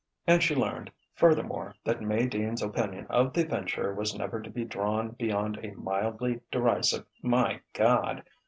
And she learned, furthermore, that May Dean's opinion of the venture was never to be drawn beyond a mildly derisive "My Gawd!"